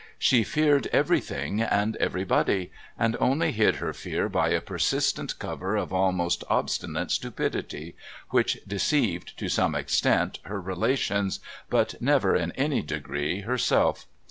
She feared everything and everybody, and only hid her fear by a persistent cover of almost obstinate stupidity, which deceived, to some extent, her relations, but never in any degree herself.